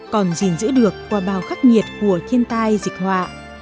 còn gìn giữ được qua bao khắc nghiệt của thiên tai dịch họa